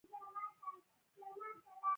افغانستان له انګور ډک دی.